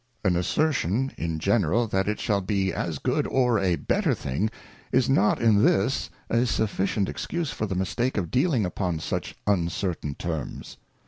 An asser tion in general, that it shall be as good or a better thing, is not in this a sufficient excuse for the mistake of dealing upon such uncertain terms.